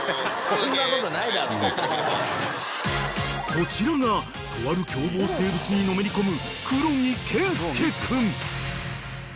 ［こちらがとある凶暴生物にのめり込む］